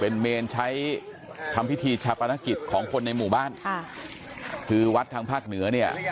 เป็นเมนใช้ทำพิธีชาปนกิจของคนในหมู่บ้านค่ะคือวัดทางภาคเหนือเนี่ย